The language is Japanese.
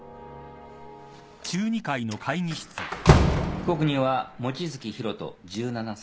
被告人は望月博人１７歳。